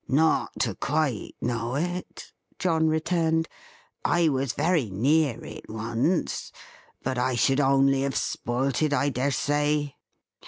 "Not to quite know it," John returned. "I was very near it once. But I should only have spoilt it, I dare say."